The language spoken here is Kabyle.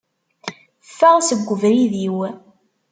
Ffeɣ seg ubrid-iw!